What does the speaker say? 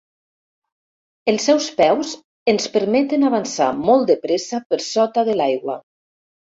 Els seus peus ens permeten avançar molt de pressa per sota de l'aigua.